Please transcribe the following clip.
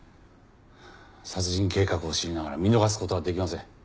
殺人計画を知りながら見逃す事はできません。